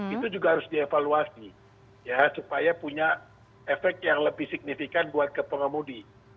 itu juga harus dievaluasi ya supaya punya efek yang lebih signifikan buat ke pengemudi